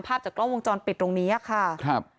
ภาพจากกล้องวงจรปิดตรงนี้ค่ะครับ